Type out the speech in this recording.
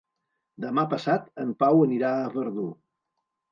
Demà passat en Pau anirà a Verdú.